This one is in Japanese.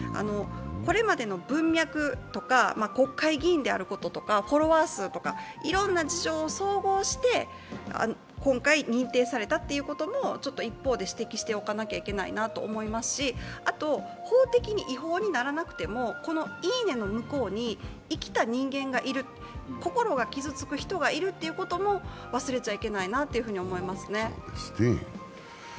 これまでの文脈とか、国会議員であることとか、フォロワー数とかいろんな事情を総合して今回、認定されたということも一方で指摘しておかなければいけないなと思いますし、あと、法的に違法にならなくても、この「いいね」の向こうに生きた人間がいる、心が傷つく人がいるということも忘れちゃいけないなと思いますね。